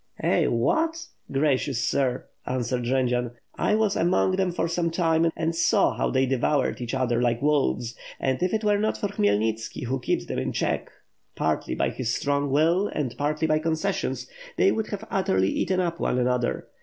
"Eh, what? gracious sir," answered Jendzian. "I was among them for some time, and saw how they devoured each other like wolves; and if it were not for Khmyelnitski, who keeps them in check, partly by his strong will and partly by concesssions, they would have utterly eaten up one another.